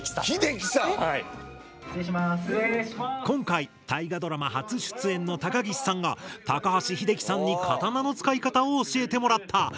今回大河ドラマ初出演の高岸さんが高橋英樹さんに刀の使い方を教えてもらった。